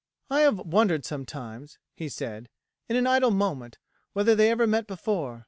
"I have wondered sometimes," he said, "in an idle moment, whether they ever met before.